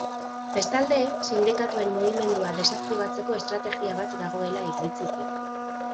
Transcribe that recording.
Bestalde, sindikatuen mugimendua desaktibatzeko estrategia bat dagoela iritzi dio.